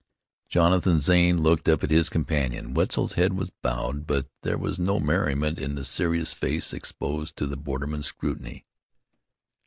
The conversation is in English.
Jonathan Zane looked up at his companion. Wetzel's head was bowed; but there was no merriment in the serious face exposed to the borderman's scrutiny.